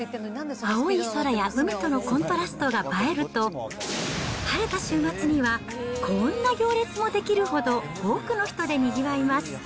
青い空や海とのコントラストが映えると、晴れた週末には、こーんな行列も出来るほど、多くの人でにぎわいます。